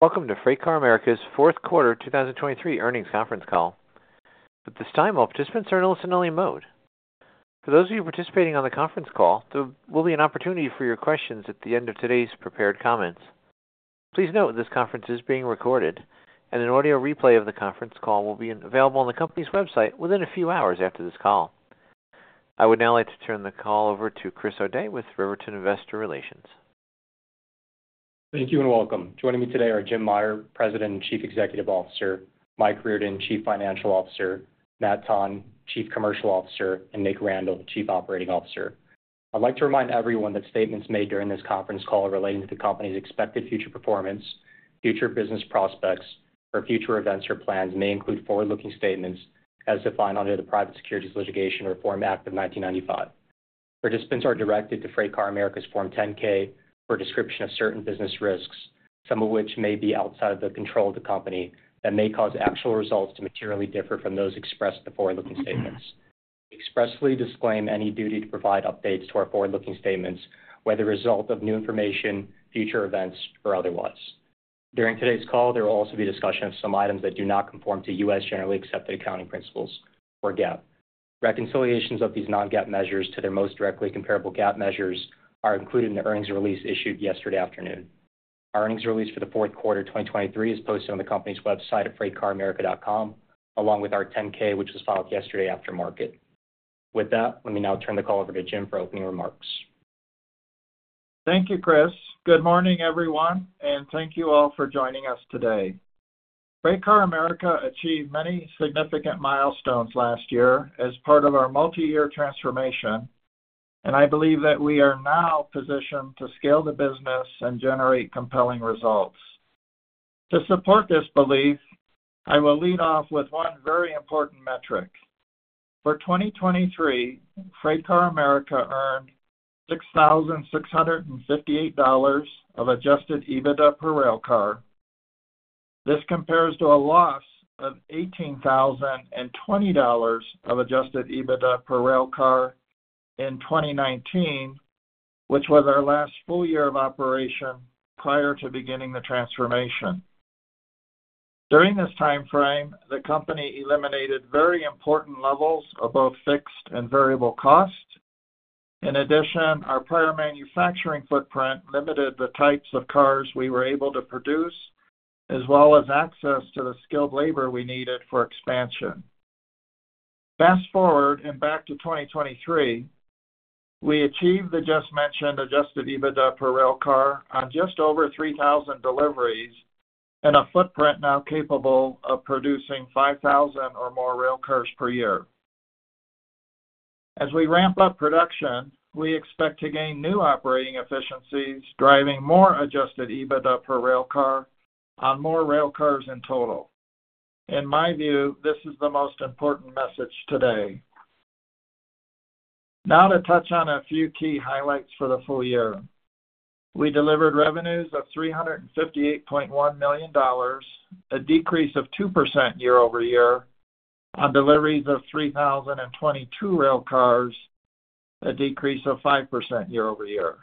Welcome to FreightCar America's fourth quarter 2023 earnings conference call. At this time, all participants are in listen-only mode. For those of you participating on the conference call, there will be an opportunity for your questions at the end of today's prepared comments. Please note that this conference is being recorded, and an audio replay of the conference call will be available on the company's website within a few hours after this call. I would now like to turn the call over to Chris O'Dea with Riveron Investor Relations. Thank you and welcome. Joining me today are Jim Meyer, President and Chief Executive Officer, Mike Riordan, Chief Financial Officer, Matt Tonn, Chief Commercial Officer, and Nick Randall, Chief Operating Officer. I'd like to remind everyone that statements made during this conference call relating to the company's expected future performance, future business prospects, or future events or plans may include forward-looking statements as defined under the Private Securities Litigation Reform Act of 1995. Participants are directed to FreightCar America's Form 10-K for a description of certain business risks, some of which may be outside of the control of the company that may cause actual results to materially differ from those expressed in the forward-looking statements. Expressly disclaim any duty to provide updates to our forward-looking statements, whether a result of new information, future events, or otherwise. During today's call, there will also be discussion of some items that do not conform to U.S. generally accepted accounting principles or GAAP. Reconciliations of these non-GAAP measures to their most directly comparable GAAP measures are included in the earnings release issued yesterday afternoon. Our earnings release for the fourth quarter 2023 is posted on the company's website at freightcaramerica.com, along with our 10-K, which was filed yesterday after market. With that, let me now turn the call over to Jim for opening remarks. Thank you, Chris. Good morning, everyone, and thank you all for joining us today. FreightCar America achieved many significant milestones last year as part of our multi-year transformation, and I believe that we are now positioned to scale the business and generate compelling results. To support this belief, I will lead off with one very important metric. For 2023, FreightCar America earned $6,658 of adjusted EBITDA per railcar. This compares to a loss of $18,020 of adjusted EBITDA per railcar in 2019, which was our last full year of operation prior to beginning the transformation. During this time frame, the company eliminated very important levels of both fixed and variable costs. In addition, our prior manufacturing footprint limited the types of cars we were able to produce, as well as access to the skilled labor we needed for expansion. Fast forward and back to 2023, we achieved the just-mentioned adjusted EBITDA per railcar on just over 3,000 deliveries and a footprint now capable of producing 5,000 or more railcars per year. As we ramp up production, we expect to gain new operating efficiencies driving more adjusted EBITDA per railcar on more railcars in total. In my view, this is the most important message today. Now to touch on a few key highlights for the full year. We delivered revenues of $358.1 million, a decrease of 2% year-over-year on deliveries of 3,022 railcars, a decrease of 5% year-over-year.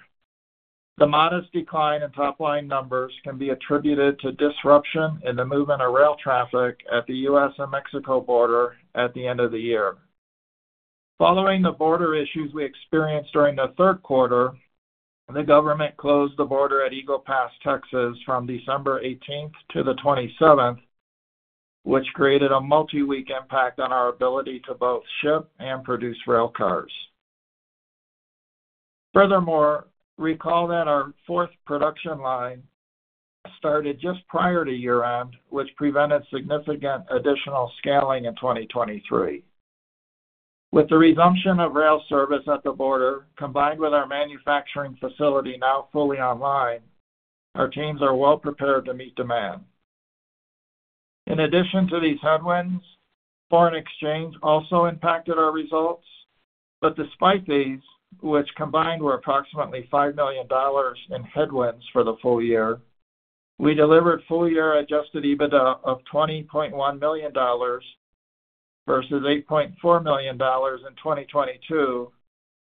The modest decline in top-line numbers can be attributed to disruption in the movement of rail traffic at the U.S. and Mexico border at the end of the year. Following the border issues we experienced during the third quarter, the government closed the border at Eagle Pass, Texas, from December 18th to the 27th, which created a multi-week impact on our ability to both ship and produce railcars. Furthermore, recall that our fourth production line started just prior to year-end, which prevented significant additional scaling in 2023. With the resumption of rail service at the border, combined with our manufacturing facility now fully online, our teams are well prepared to meet demand. In addition to these headwinds, foreign exchange also impacted our results. But despite these, which combined were approximately $5 million in headwinds for the full year, we delivered full-year adjusted EBITDA of $20.1 million versus $8.4 million in 2022,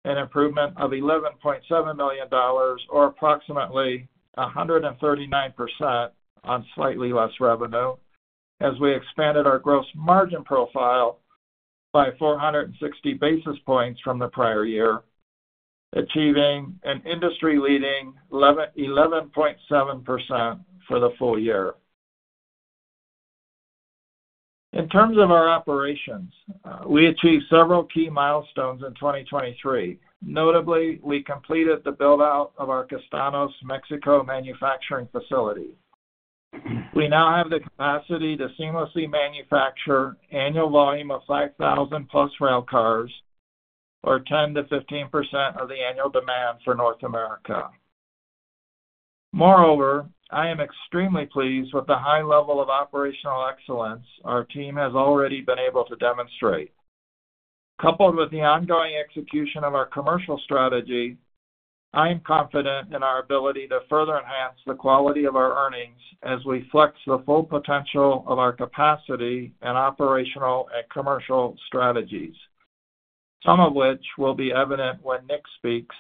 an improvement of $11.7 million or approximately 139% on slightly less revenue as we expanded our gross margin profile by 460 basis points from the prior year, achieving an industry-leading 11.7% for the full year. In terms of our operations, we achieved several key milestones in 2023. Notably, we completed the build-out of our Castaños, Mexico, manufacturing facility. We now have the capacity to seamlessly manufacture annual volume of 5,000+ railcars, or 10%-15% of the annual demand for North America. Moreover, I am extremely pleased with the high level of operational excellence our team has already been able to demonstrate. Coupled with the ongoing execution of our commercial strategy, I am confident in our ability to further enhance the quality of our earnings as we flex the full potential of our capacity in operational and commercial strategies, some of which will be evident when Nick speaks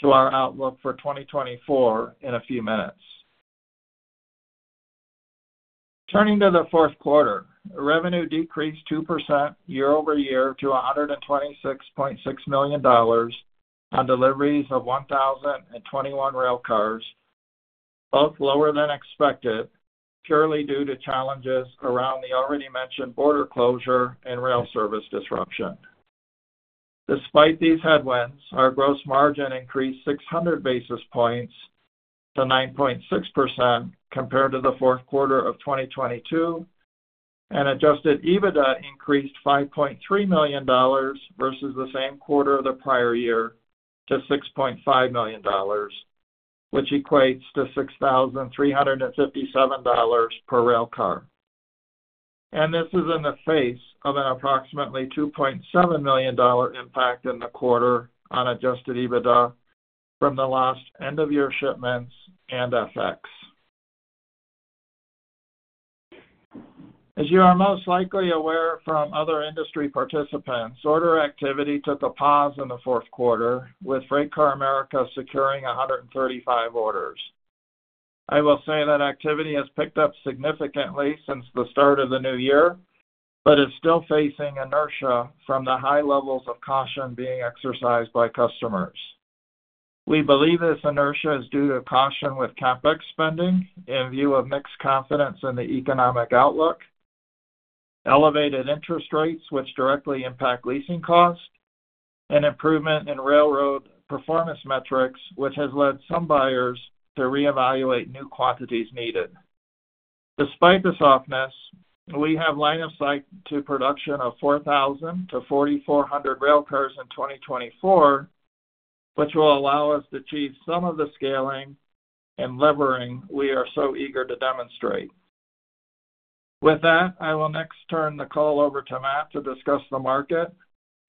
to our outlook for 2024 in a few minutes. Turning to the fourth quarter, revenue decreased 2% year-over-year to $126.6 million on deliveries of 1,021 railcars, both lower than expected purely due to challenges around the already-mentioned border closure and rail service disruption. Despite these headwinds, our gross margin increased 600 basis points to 9.6% compared to the fourth quarter of 2022, and adjusted EBITDA increased $5.3 million versus the same quarter of the prior year to $6.5 million, which equates to $6,357 per railcar. This is in the face of an approximately $2.7 million impact in the quarter on adjusted EBITDA from the last end-of-year shipments and FX. As you are most likely aware from other industry participants, order activity took a pause in the fourth quarter, with FreightCar America securing 135 orders. I will say that activity has picked up significantly since the start of the new year but is still facing inertia from the high levels of caution being exercised by customers. We believe this inertia is due to caution with CapEx spending in view of mixed confidence in the economic outlook, elevated interest rates which directly impact leasing costs, and improvement in railroad performance metrics which has led some buyers to reevaluate new quantities needed. Despite the softness, we have line of sight to production of 4,000-4,400 railcars in 2024, which will allow us to achieve some of the scaling and levering we are so eager to demonstrate. With that, I will next turn the call over to Matt to discuss the market,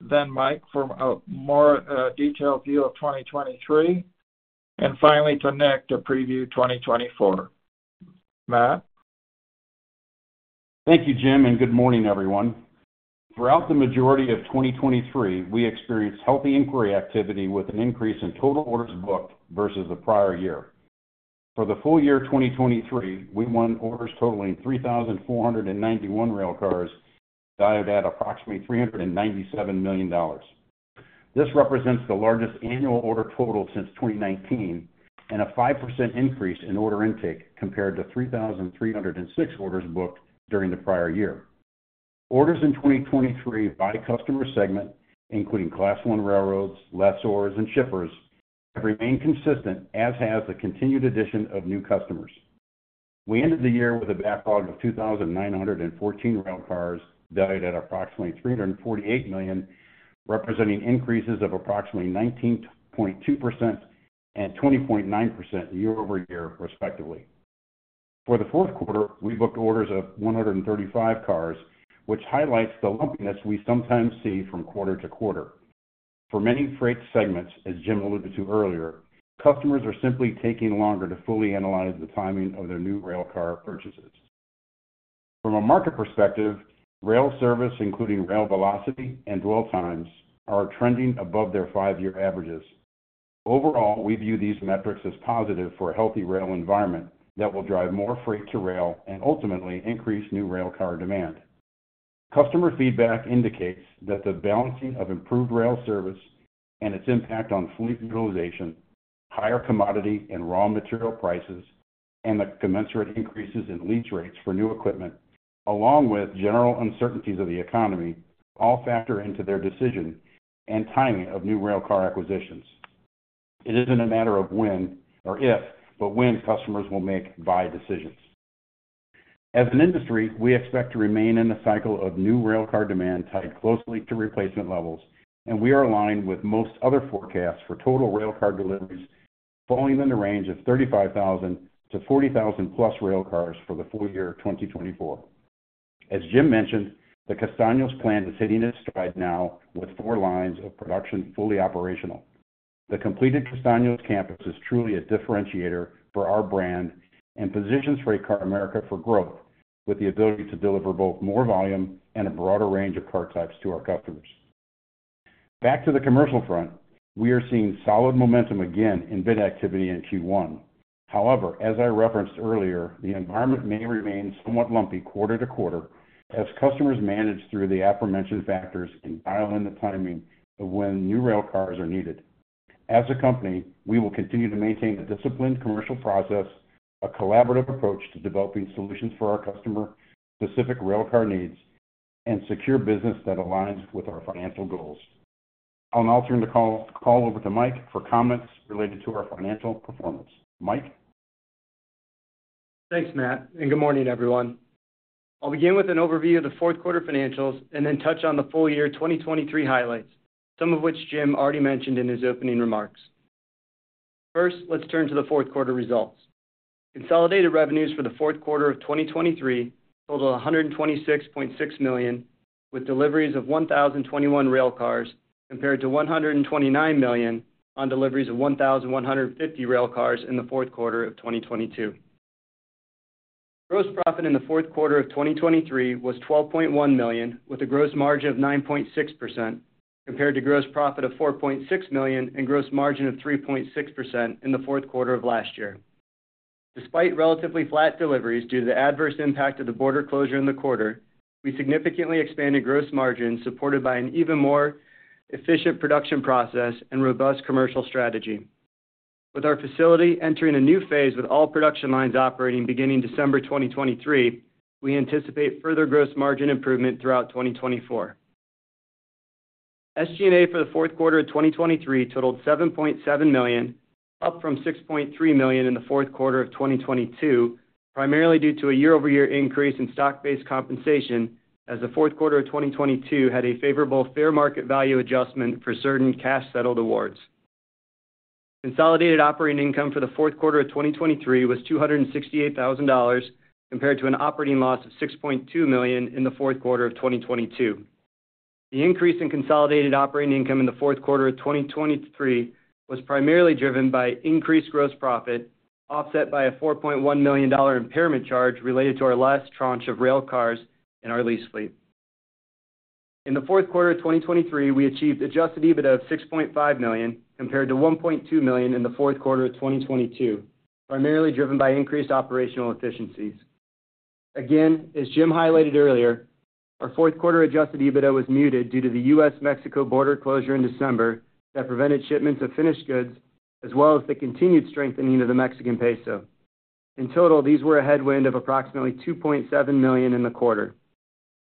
then Mike for a more detailed view of 2023, and finally to Nick to preview 2024. Matt. Thank you, Jim, and good morning, everyone. Throughout the majority of 2023, we experienced healthy inquiry activity with an increase in total orders booked versus the prior year. For the full year 2023, we won orders totaling 3,491 railcars valued at approximately $397 million. This represents the largest annual order total since 2019 and a 5% increase in order intake compared to 3,306 orders booked during the prior year. Orders in 2023 by customer segment, including Class I railroads, lessors, and shippers, have remained consistent, as has the continued addition of new customers. We ended the year with a backlog of 2,914 railcars valued at approximately $348 million, representing increases of approximately 19.2% and 20.9% year-over-year, respectively. For the fourth quarter, we booked orders of 135 cars, which highlights the lumpiness we sometimes see from quarter to quarter. For many freight segments, as Jim alluded to earlier, customers are simply taking longer to fully analyze the timing of their new railcar purchases. From a market perspective, rail service, including rail velocity and dwell times, are trending above their five-year averages. Overall, we view these metrics as positive for a healthy rail environment that will drive more freight to rail and ultimately increase new railcar demand. Customer feedback indicates that the balancing of improved rail service and its impact on fleet utilization, higher commodity and raw material prices, and the commensurate increases in lease rates for new equipment, along with general uncertainties of the economy, all factor into their decision and timing of new railcar acquisitions. It isn't a matter of when or if, but when customers will make buy decisions. As an industry, we expect to remain in a cycle of new railcar demand tied closely to replacement levels, and we are aligned with most other forecasts for total railcar deliveries falling in the range of 35,000-40,000+ railcars for the full year 2024. As Jim mentioned, the Castaños plant is hitting its stride now with four lines of production fully operational. The completed Castaños campus is truly a differentiator for our brand and positions FreightCar America for growth with the ability to deliver both more volume and a broader range of car types to our customers. Back to the commercial front, we are seeing solid momentum again in bid activity in Q1. However, as I referenced earlier, the environment may remain somewhat lumpy quarter to quarter as customers manage through the aforementioned factors and dial in the timing of when new railcars are needed. As a company, we will continue to maintain a disciplined commercial process, a collaborative approach to developing solutions for our customer-specific railcar needs, and secure business that aligns with our financial goals. I'll now turn the call over to Mike for comments related to our financial performance. Mike. Thanks, Matt, and good morning, everyone. I'll begin with an overview of the fourth quarter financials and then touch on the full year 2023 highlights, some of which Jim already mentioned in his opening remarks. First, let's turn to the fourth quarter results. Consolidated revenues for the fourth quarter of 2023 totaled $126.6 million, with deliveries of 1,021 railcars compared to $129 million on deliveries of 1,150 railcars in the fourth quarter of 2022. Gross profit in the fourth quarter of 2023 was $12.1 million, with a gross margin of 9.6% compared to gross profit of $4.6 million and gross margin of 3.6% in the fourth quarter of last year. Despite relatively flat deliveries due to the adverse impact of the border closure in the quarter, we significantly expanded gross margins supported by an even more efficient production process and robust commercial strategy. With our facility entering a new phase with all production lines operating beginning December 2023, we anticipate further gross margin improvement throughout 2024. SG&A for the fourth quarter of 2023 totaled $7.7 million, up from $6.3 million in the fourth quarter of 2022, primarily due to a year-over-year increase in stock-based compensation as the fourth quarter of 2022 had a favorable fair market value adjustment for certain cash-settled awards. Consolidated operating income for the fourth quarter of 2023 was $268,000 compared to an operating loss of $6.2 million in the fourth quarter of 2022. The increase in consolidated operating income in the fourth quarter of 2023 was primarily driven by increased gross profit offset by a $4.1 million impairment charge related to our last tranche of railcars in our lease fleet. In the fourth quarter of 2023, we achieved adjusted EBITDA of $6.5 million compared to $1.2 million in the fourth quarter of 2022, primarily driven by increased operational efficiencies. Again, as Jim highlighted earlier, our fourth quarter adjusted EBITDA was muted due to the U.S.-Mexico border closure in December that prevented shipments of finished goods as well as the continued strengthening of the Mexican peso. In total, these were a headwind of approximately $2.7 million in the quarter.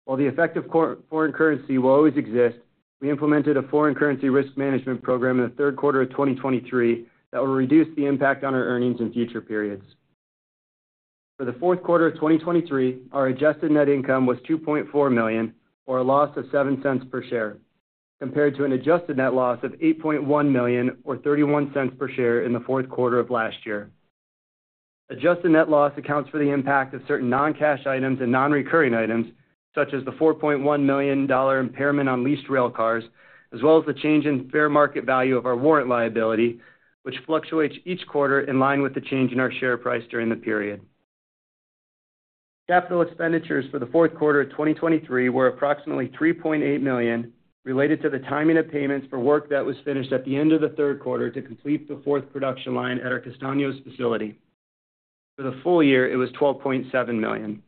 While the effect of foreign currency will always exist, we implemented a foreign currency risk management program in the third quarter of 2023 that will reduce the impact on our earnings in future periods. For the fourth quarter of 2023, our adjusted net income was $2.4 million, or a loss of $0.07 per share, compared to an adjusted net loss of $8.1 million, or $0.31 per share, in the fourth quarter of last year. Adjusted net loss accounts for the impact of certain non-cash items and non-recurring items, such as the $4.1 million impairment on leased railcars, as well as the change in fair market value of our warrant liability, which fluctuates each quarter in line with the change in our share price during the period. Capital expenditures for the fourth quarter of 2023 were approximately $3.8 million related to the timing of payments for work that was finished at the end of the third quarter to complete the fourth production line at our Castaños facility. For the full year, it was $12.7 million.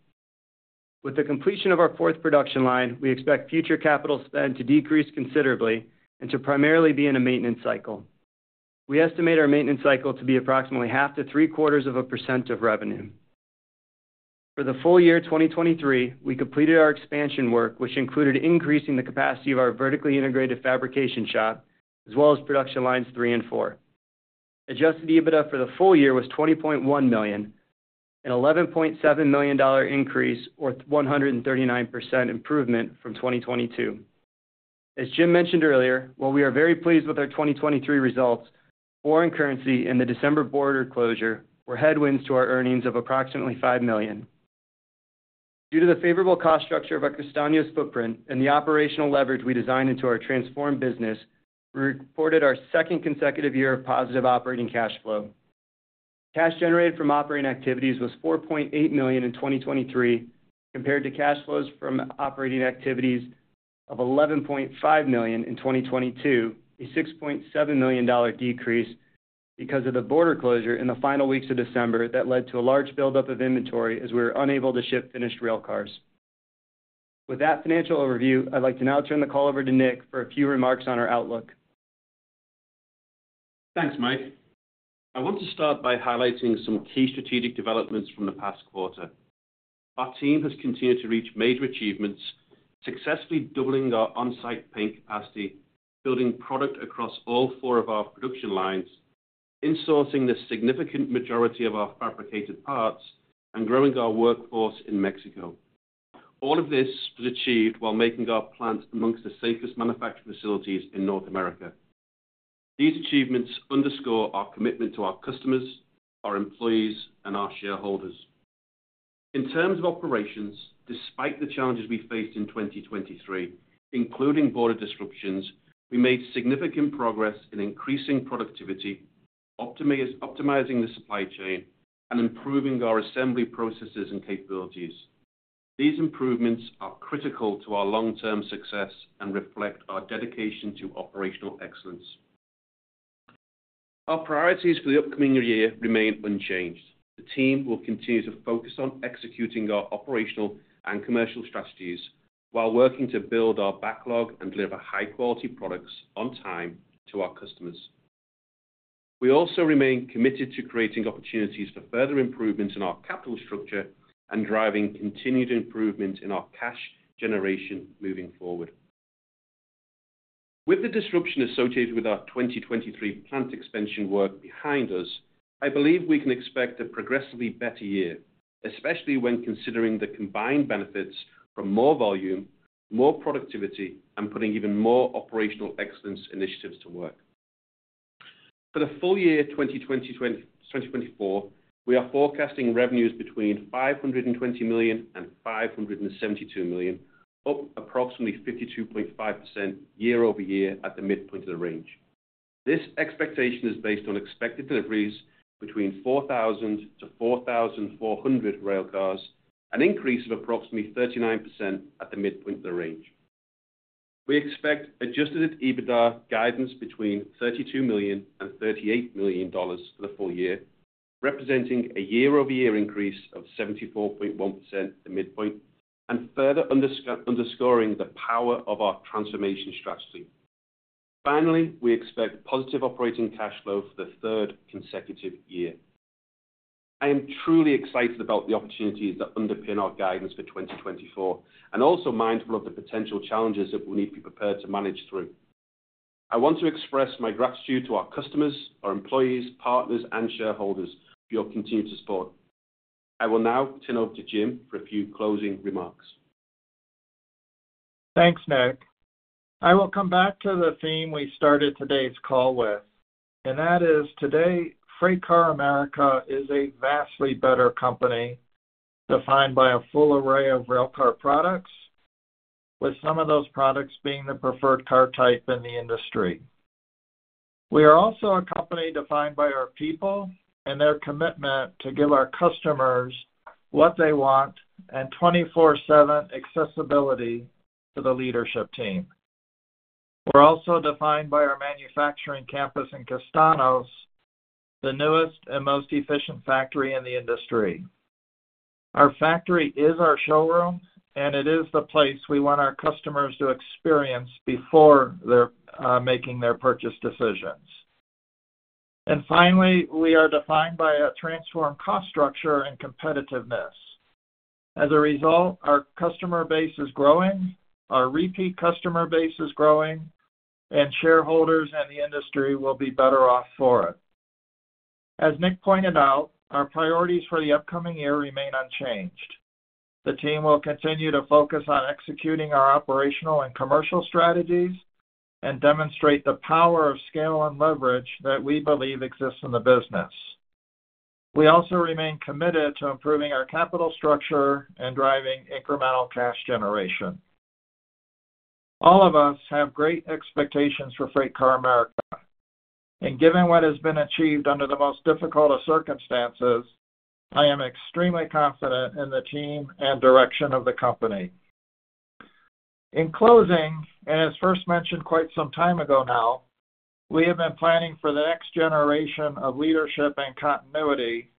With the completion of our fourth production line, we expect future capital spend to decrease considerably and to primarily be in a maintenance cycle. We estimate our maintenance cycle to be approximately 0.5%-0.75% of revenue. For the full year 2023, we completed our expansion work, which included increasing the capacity of our vertically integrated fabrication shop as well as production lines 3 and 4. Adjusted EBITDA for the full year was $20.1 million, an $11.7 million increase, or 139% improvement from 2022. As Jim mentioned earlier, while we are very pleased with our 2023 results, foreign currency and the December border closure were headwinds to our earnings of approximately $5 million. Due to the favorable cost structure of our Castaños footprint and the operational leverage we designed into our transformed business, we reported our second consecutive year of positive operating cash flow. Cash generated from operating activities was $4.8 million in 2023 compared to cash flows from operating activities of $11.5 million in 2022, a $6.7 million decrease because of the border closure in the final weeks of December that led to a large buildup of inventory as we were unable to ship finished railcars. With that financial overview, I'd like to now turn the call over to Nick for a few remarks on our outlook. Thanks, Mike. I want to start by highlighting some key strategic developments from the past quarter. Our team has continued to reach major achievements, successfully doubling our on-site paint capacity, building product across all four of our production lines, insourcing the significant majority of our fabricated parts, and growing our workforce in Mexico. All of this was achieved while making our plant among the safest manufacturing facilities in North America. These achievements underscore our commitment to our customers, our employees, and our shareholders. In terms of operations, despite the challenges we faced in 2023, including border disruptions, we made significant progress in increasing productivity, optimizing the supply chain, and improving our assembly processes and capabilities. These improvements are critical to our long-term success and reflect our dedication to operational excellence. Our priorities for the upcoming year remain unchanged. The team will continue to focus on executing our operational and commercial strategies while working to build our backlog and deliver high-quality products on time to our customers. We also remain committed to creating opportunities for further improvements in our capital structure and driving continued improvements in our cash generation moving forward. With the disruption associated with our 2023 plant expansion work behind us, I believe we can expect a progressively better year, especially when considering the combined benefits from more volume, more productivity, and putting even more operational excellence initiatives to work. For the full year 2024, we are forecasting revenues between $520 million and $572 million, up approximately 52.5% year-over-year at the midpoint of the range. This expectation is based on expected deliveries between 4,000-4,400 railcars, an increase of approximately 39% at the midpoint of the range. We expect adjusted EBITDA guidance between $32 million and $38 million for the full year, representing a year-over-year increase of 74.1% at the midpoint and further underscoring the power of our transformation strategy. Finally, we expect positive operating cash flow for the third consecutive year. I am truly excited about the opportunities that underpin our guidance for 2024 and also mindful of the potential challenges that we'll need to be prepared to manage through. I want to express my gratitude to our customers, our employees, partners, and shareholders for your continued support. I will now turn over to Jim for a few closing remarks. Thanks, Nick. I will come back to the theme we started today's call with, and that is today, FreightCar America is a vastly better company defined by a full array of railcar products, with some of those products being the preferred car type in the industry. We are also a company defined by our people and their commitment to give our customers what they want and 24/7 accessibility to the leadership team. We're also defined by our manufacturing campus in Castaños, the newest and most efficient factory in the industry. Our factory is our showroom, and it is the place we want our customers to experience before making their purchase decisions. And finally, we are defined by a transformed cost structure and competitiveness. As a result, our customer base is growing, our repeat customer base is growing, and shareholders and the industry will be better off for it. As Nick pointed out, our priorities for the upcoming year remain unchanged. The team will continue to focus on executing our operational and commercial strategies and demonstrate the power of scale and leverage that we believe exists in the business. We also remain committed to improving our capital structure and driving incremental cash generation. All of us have great expectations for FreightCar America. And given what has been achieved under the most difficult of circumstances, I am extremely confident in the team and direction of the company. In closing, and as first mentioned quite some time ago now, we have been planning for the next generation of leadership and continuity.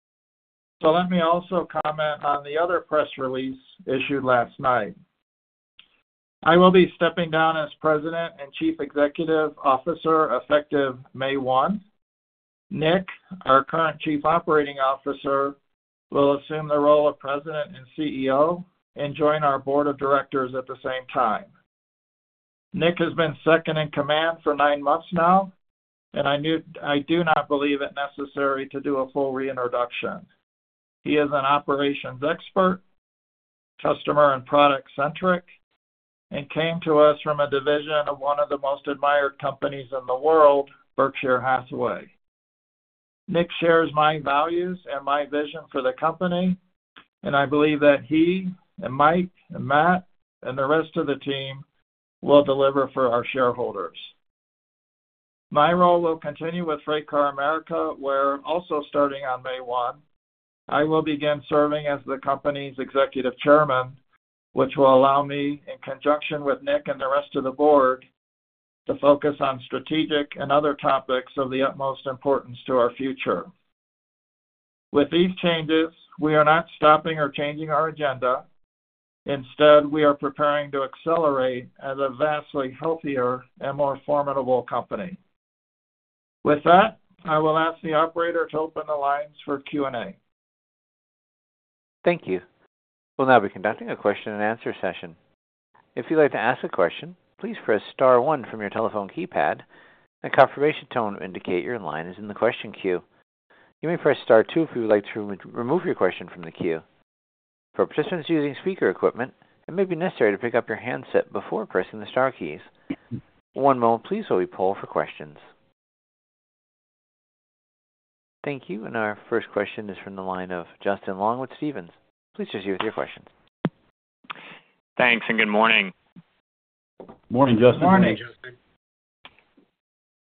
So let me also comment on the other press release issued last night. I will be stepping down as President and Chief Executive Officer effective May 1. Nick, our current Chief Operating Officer, will assume the role of President and CEO and join our Board of Directors at the same time. Nick has been second in command for nine months now, and I do not believe it necessary to do a full reintroduction. He is an operations expert, customer and product-centric, and came to us from a division of one of the most admired companies in the world, Berkshire Hathaway. Nick shares my values and my vision for the company, and I believe that he and Mike and Matt and the rest of the team will deliver for our shareholders. My role will continue with FreightCar America where, also starting on May 1, I will begin serving as the company's Executive Chairman, which will allow me, in conjunction with Nick and the rest of the board, to focus on strategic and other topics of the utmost importance to our future. With these changes, we are not stopping or changing our agenda. Instead, we are preparing to accelerate as a vastly healthier and more formidable company. With that, I will ask the operator to open the lines for Q&A. Thank you. We'll now be conducting a question and answer session. If you'd like to ask a question, please press star one from your telephone keypad, and confirmation tone will indicate your line is in the question queue. You may press star two if you would like to remove your question from the queue. For participants using speaker equipment, it may be necessary to pick up your handset before pressing the star keys. One moment, please, while we pull for questions. Thank you. Our first question is from the line of Justin Long with Stephens. Please proceed with your questions. Thanks and good morning. Morning, Justin. Morning, Justin.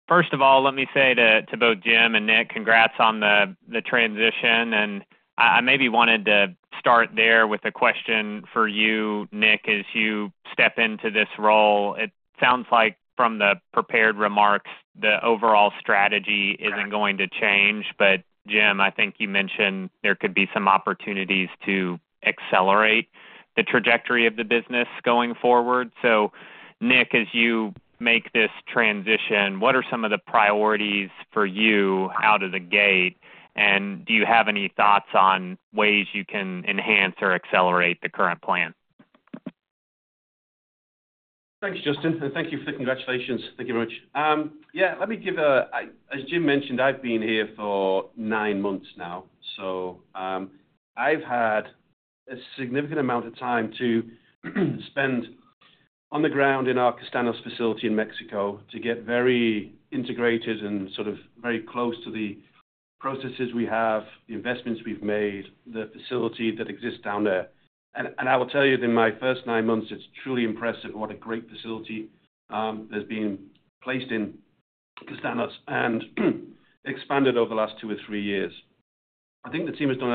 First of all, let me say to both Jim and Nick, congrats on the transition. And I maybe wanted to start there with a question for you, Nick, as you step into this role. It sounds like, from the prepared remarks, the overall strategy isn't going to change. But Jim, I think you mentioned there could be some opportunities to accelerate the trajectory of the business going forward. So Nick, as you make this transition, what are some of the priorities for you out of the gate? And do you have any thoughts on ways you can enhance or accelerate the current plan? Thanks, Justin. Thank you for the congratulations. Thank you very much. Yeah, let me give, as Jim mentioned, I've been here for nine months now. So I've had a significant amount of time to spend on the ground in our Castaños facility in Mexico to get very integrated and sort of very close to the processes we have, the investments we've made, the facility that exists down there. And I will tell you, in my first nine months, it's truly impressive what a great facility has been placed in Castaños and expanded over the last two or three years. I think the team has done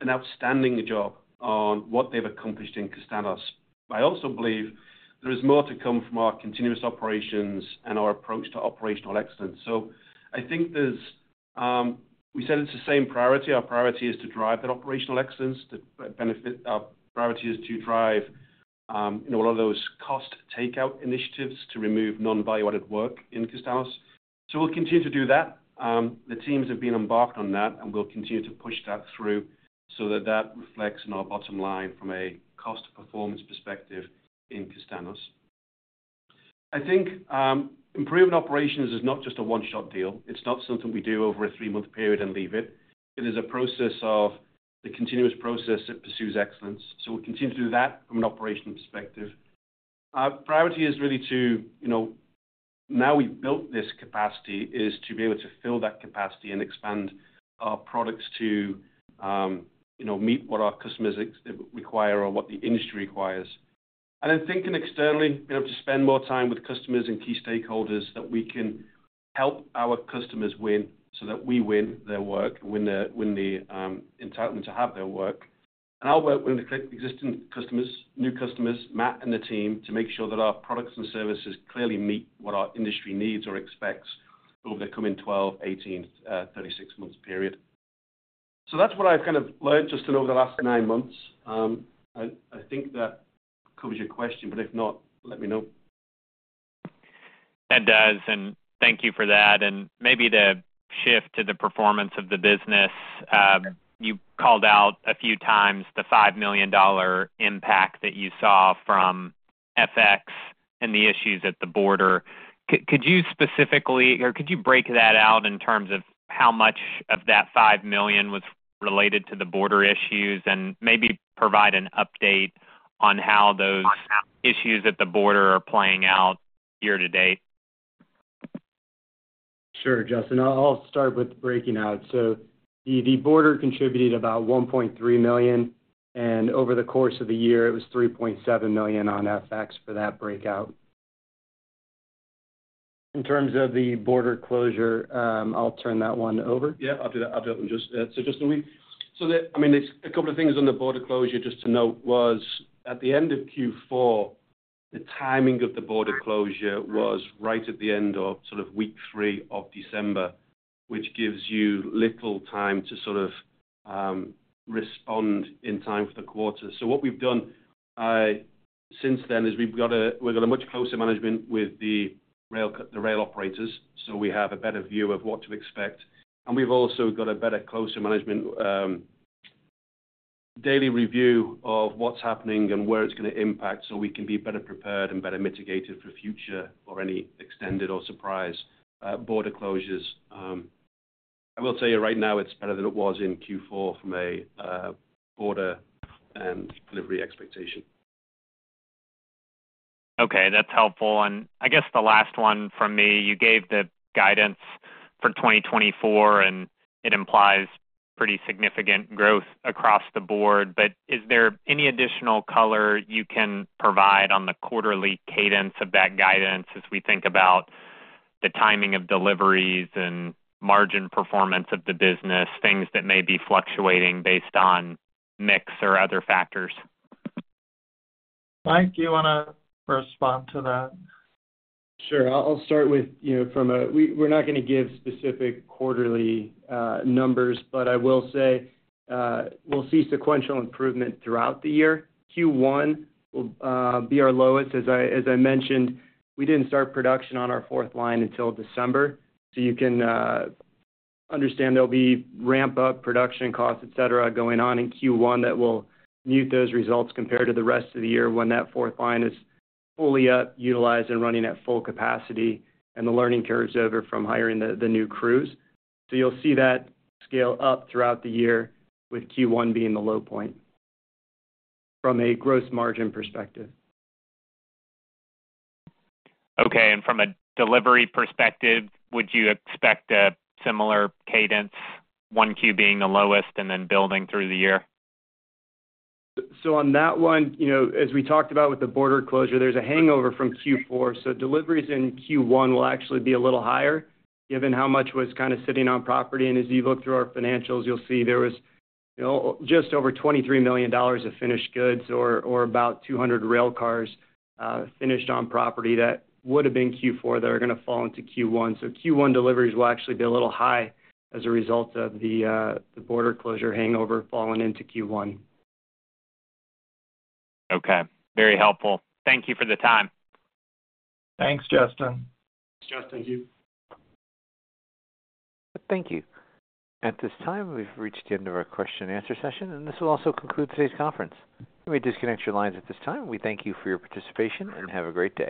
an outstanding job on what they've accomplished in Castaños. I also believe there is more to come from our continuous operations and our approach to operational excellence. So I think there's we said it's the same priority. Our priority is to drive that operational excellence to benefit our priority is to drive a lot of those cost takeout initiatives to remove non-value-added work in Castaños. So we'll continue to do that. The teams have been embarked on that, and we'll continue to push that through so that that reflects in our bottom line from a cost performance perspective in Castaños. I think improving operations is not just a one-shot deal. It's not something we do over a three-month period and leave it. It is a process of the continuous process that pursues excellence. So we'll continue to do that from an operational perspective. Our priority is really to now we've built this capacity is to be able to fill that capacity and expand our products to meet what our customers require or what the industry requires. Then thinking externally, being able to spend more time with customers and key stakeholders that we can help our customers win so that we win their work, win the entitlement to have their work. I'll work with existing customers, new customers, Matt, and the team to make sure that our products and services clearly meet what our industry needs or expects over the coming 12, 18, 36-month period. That's what I've kind of learned just in over the last nine months. I think that covers your question. If not, let me know. That does. Thank you for that. Maybe to shift to the performance of the business, you called out a few times the $5 million impact that you saw from FX and the issues at the border. Could you specifically or could you break that out in terms of how much of that $5 million was related to the border issues and maybe provide an update on how those issues at the border are playing out year to date? Sure, Justin. I'll start with breaking out. So the border contributed about $1.3 million. And over the course of the year, it was $3.7 million on FX for that breakout. In terms of the border closure, I'll turn that one over. Yeah, I'll do that. I'll do that one. So Justin, so that I mean, a couple of things on the border closure just to note was at the end of Q4, the timing of the border closure was right at the end of sort of week three of December, which gives you little time to sort of respond in time for the quarter. So what we've done since then is we've got a we've got a much closer management with the rail operators. So we have a better view of what to expect. And we've also got a better closer management daily review of what's happening and where it's going to impact so we can be better prepared and better mitigated for future or any extended or surprise border closures. I will tell you right now, it's better than it was in Q4 from a border and delivery expectation. Okay. That's helpful. And I guess the last one from me, you gave the guidance for 2024, and it implies pretty significant growth across the board. But is there any additional color you can provide on the quarterly cadence of that guidance as we think about the timing of deliveries and margin performance of the business, things that may be fluctuating based on mix or other factors? Mike, do you want to respond to that? Sure. I'll start with from a, we're not going to give specific quarterly numbers. But I will say we'll see sequential improvement throughout the year. Q1 will be our lowest. As I mentioned, we didn't start production on our fourth line until December. So you can understand there'll be ramp-up production costs, etc., going on in Q1 that will mute those results compared to the rest of the year when that fourth line is fully up, utilized, and running at full capacity and the learning curve's over from hiring the new crews. So you'll see that scale up throughout the year with Q1 being the low point from a gross margin perspective. Okay. From a delivery perspective, would you expect a similar cadence, Q1 being the lowest and then building through the year? On that one, as we talked about with the border closure, there's a hangover from Q4. Deliver deliveries in Q1 will actually be a little higher given how much was kind of sitting on property. As you look through our financials, you'll see there was just over $23 million of finished goods or about 200 railcars finished on property that would have been Q4 that are going to fall into Q1. Q1 deliveries will actually be a little high as a result of the border closure hangover falling into Q1. Okay. Very helpful. Thank you for the time. Thanks, Justin. Thank you. Thank you. At this time, we've reached the end of our question and answer session. This will also conclude today's conference. You may disconnect your lines at this time. We thank you for your participation and have a great day.